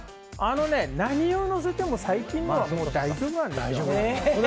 何をのせても最近のは大丈夫なんですよ